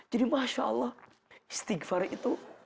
jadi masya allah istighfar itu